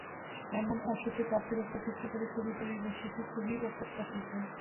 এমন অসত্য তথ্যের ওপর ভিত্তি করে ছবি তৈরির বিষয়টি খুবই অপ্রত্যাশিত।